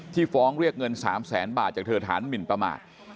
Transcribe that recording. ฟ้องเรียกเงิน๓แสนบาทจากเธอฐานหมินประมาท